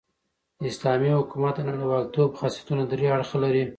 د اسلامي حکومت د نړۍوالتوب خاصیتونه درې اړخه لري.